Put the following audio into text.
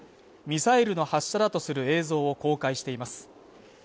ミサイルの発射だとする映像を公開しています。